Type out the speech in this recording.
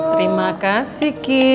terima kasih ki